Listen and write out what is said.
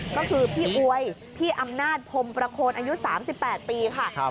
ก็คือพี่อวยพี่อำนาจพรมประโคนอายุ๓๘ปีค่ะ